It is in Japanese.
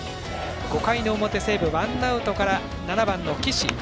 ５回の表、西武ワンアウトから７番の岸。